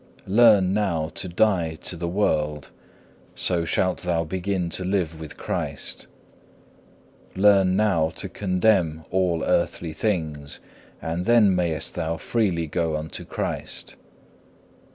Learn now to die to the world, so shalt thou begin to live with Christ. Learn now to contemn all earthly things, and then mayest thou freely go unto Christ.